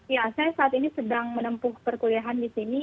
ya saya saat ini sedang menempuh perkuliahan di sini